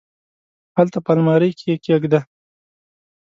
هلته په المارۍ کي یې کښېږده !